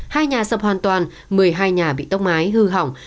hai nhà sập hoàn toàn một mươi hai nhà bị tốc mái hư hỏng